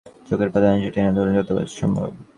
চোখের পাতা নিচে টেনে ধরুন যতদূর সম্ভব।